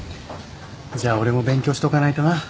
じゃあ俺も勉強しとかないとな。